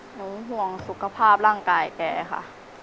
ห่วงสุขภาพร่างกายแกค่ะ